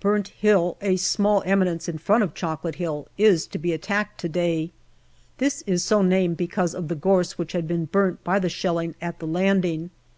Burnt Hill, a small eminence in front of Chocolate Hill, is to be attacked to day. This is so named because of the gorse which had been burnt by the shelling at the landing.